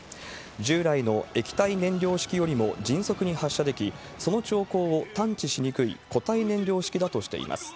従来の液体燃料式よりも迅速に発射でき、その兆候を探知しにくい固体燃料式だとしています。